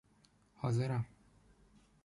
حاضرم